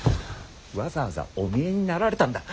わざわざお見えになられたんだ。